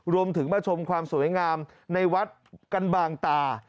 รวมถึงมาชมความสวยงามในวัดกันบางตา